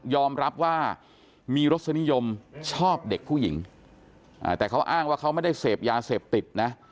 รับว่ามีรสนิยมชอบเด็กผู้หญิงแต่เขาอ้างว่าเขาไม่ได้เสพยาเสพติดนะ